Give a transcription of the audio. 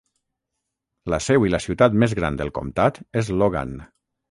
La seu i la ciutat més gran del comtat és Logan.